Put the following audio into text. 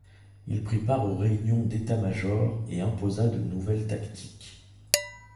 Il prit part aux réunions d'états-majors, et imposa de nouvelles tactiques.